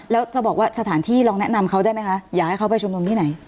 แล้วจะบอกว่าสถานที่ลองแนะนำเขาได้ไหมคะอยากให้เขาไปชุมนุมที่ไหน